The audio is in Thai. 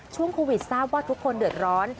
ช่วงโควิดทราบว่าทุกคนเดือดร้อน